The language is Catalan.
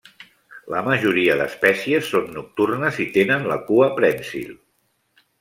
La majoria d'espècies són nocturnes i tenen la cua prènsil.